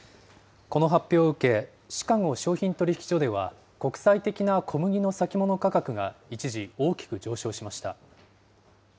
この発表を受け、シカゴ商品取引所では、国際的な小麦の先物価格が一時、大きく上昇しました。